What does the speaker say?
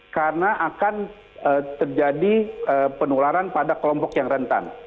karena akan terjadi penularan pada kelompok yang rentan